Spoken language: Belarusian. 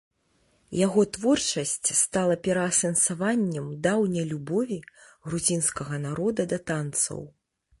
Яго творчасць стала пераасэнсаваннем даўняй любові грузінскага народа да танцаў.